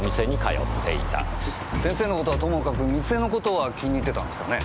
先生の事はともかく店の事は気に入ってたんですかね？